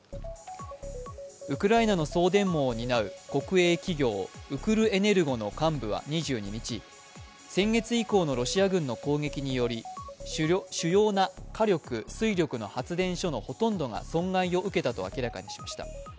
ウクライナの送電網を担う国営企業ウクルエネルゴの幹部は２２日先月以降のロシア軍の攻撃により主要な火力、水力の発電所のほとんどが損害を受けたとあきらかにしました。